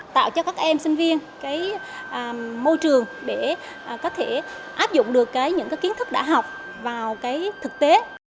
tạo cho các em sinh viên môi trường để có thể áp dụng được những kiến thức đã học vào cái thực tế